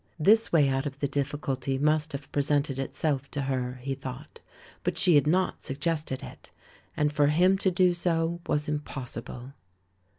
This way out of the difficulty must have presented itself to her, he thought; but she had not suggested it. And for him to do so was impossible.